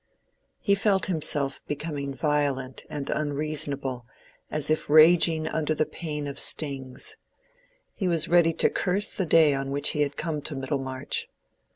He felt himself becoming violent and unreasonable as if raging under the pain of stings: he was ready to curse the day on which he had come to Middlemarch.